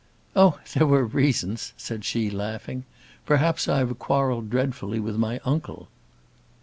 "Oh! there were reasons," said she, laughing. "Perhaps I have quarrelled dreadfully with my uncle."